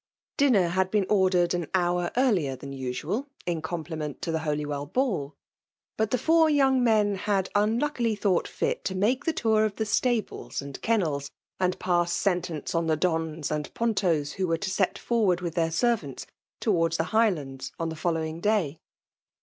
Dinner had been ordered an hour earlier than usual, in compli ment to the Holywell ball. But the four young men had unluckily thought fit to make Ae tour of the stables and kennels, and pass sentence on the Dons and Pontes who were to set forward with their servants towards the Highlands on the following day.